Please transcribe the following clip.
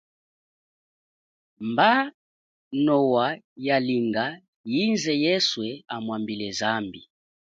Mba noa yalinga yize yeswe amwambile zambi.